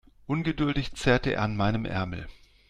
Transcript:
Ungeduldig zerrte er an meinem Ärmel.